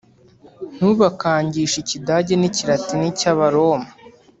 Ntubakangishe ikigade n'ikiratini cy'Abaroma